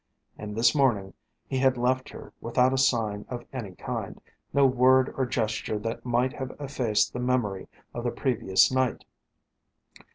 And this morning he had left her without a sign of any kind, no word or gesture that might have effaced the memory of the previous night.